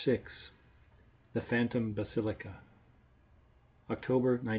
VI THE PHANTOM BASILICA _October, 1914.